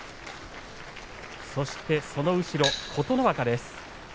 そしてその後ろ琴ノ若です。